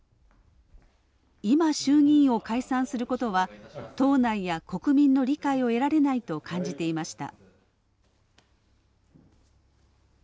今、衆議院を解散することは党内や国民の理解を得られないと感じていました。